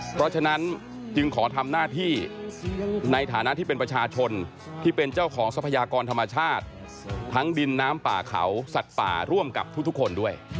เพราะฉะนั้นจึงขอทำหน้าที่ในฐานะที่เป็นประชาชนที่เป็นเจ้าของทรัพยากรธรรมชาติทั้งดินน้ำป่าเขาสัตว์ป่าร่วมกับทุกคนด้วย